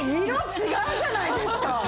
色違うじゃないですか！